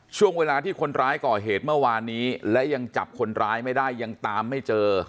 ช่วงเวลาที่คนร้ายก่อเหตุเมื่อวานนี้และยังจับคนร้ายไม่ได้ยังตามไม่เจอ